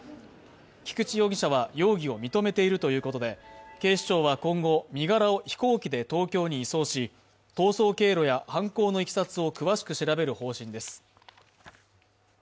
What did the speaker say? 菊池容疑者は容疑を認めているということで、警視庁は今後、身柄を飛行機で東京に移送し、逃走経路や犯行のいきさつを詳しく調べる方針です。